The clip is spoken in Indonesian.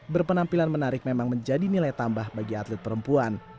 berpenampilan menarik memang menjadi nilai tambah bagi atlet perempuan